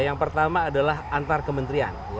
yang pertama adalah antar kementerian